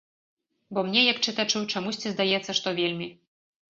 Бо мне, як чытачу, чамусьці здаецца, што вельмі.